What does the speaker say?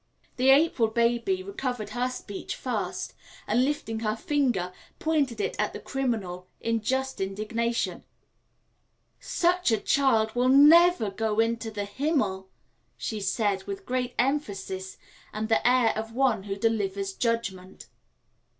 The April baby recovered her speech first, and lifting her finger, pointed it at the criminal in just indignation. "Such a child will never go into the Himmel," she said with great emphasis, and the air of one who delivers judgment.